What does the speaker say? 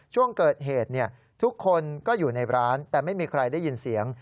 ช่วงเกิดเหตุทุกคนก็อยู่ในร้านแต่ไม่มีใครได้ยินเสียง